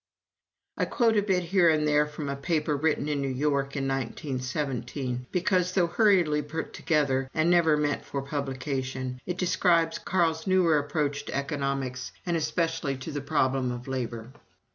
I quote a bit here and there from a paper written in New York in 1917, because, though hurriedly put together and never meant for publication, it describes Carl's newer approach to Economics and especially to the problem of Labor.